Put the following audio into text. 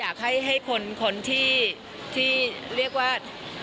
อยากให้คนที่เรียกว่า